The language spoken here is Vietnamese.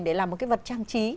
để làm một cái vật trang trí